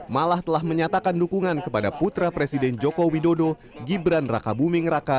malah telah menyatakan dukungan kepada putra presiden joko widodo gibran raka buming raka